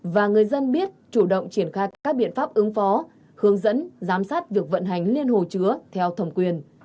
và người dân biết chủ động triển khai các biện pháp ứng phó hướng dẫn giám sát việc vận hành liên hồ chứa theo thẩm quyền